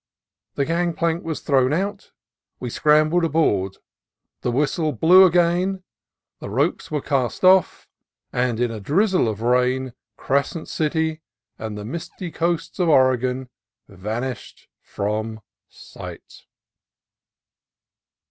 The gangplank was thrown out, we scrambled aboard, the whistle blew again, the ropes were cast off, and in a drizzle of rain Crescent City and the misty cliffs of Oregon van ished from sight.